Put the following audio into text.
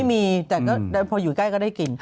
ไม่มีแต่ก็พออยู่ใกล้ก็ได้กิน